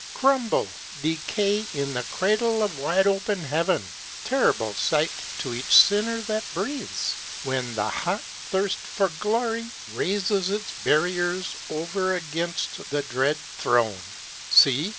Crumble, decay In the cradle of wide open heaven! Terrible sight to each sinner that breathes, When the hot thirst for glory Raises its barriers over against the dread throne! See!